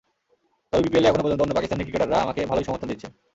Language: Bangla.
তবে বিপিএলে এখনো পর্যন্ত অন্য পাকিস্তানি ক্রিকেটাররা আমাকে ভালোই সমর্থন দিচ্ছেন।